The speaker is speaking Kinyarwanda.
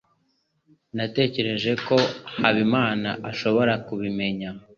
Natekereje ko Habimana ashaka kubimenya.